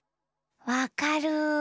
わかる！